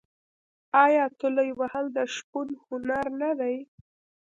آیا تولې وهل د شپون هنر نه دی؟